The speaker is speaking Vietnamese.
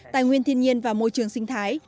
tài nguyên thiên nhiên và môi trường sinh thái